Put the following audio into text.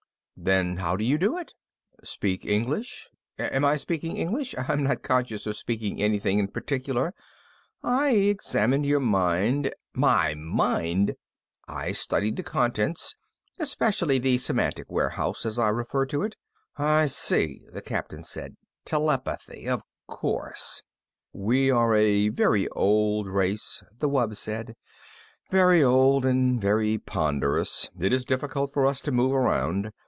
"Then how do you do it?" "Speak English? Am I speaking English? I'm not conscious of speaking anything in particular. I examined your mind " "My mind?" "I studied the contents, especially the semantic warehouse, as I refer to it " "I see," the Captain said. "Telepathy. Of course." "We are a very old race," the wub said. "Very old and very ponderous. It is difficult for us to move around.